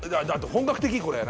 本格的これ何か。